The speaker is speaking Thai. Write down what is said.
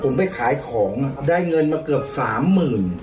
ผมไปขายของได้เงินมาเกือบสามหมื่น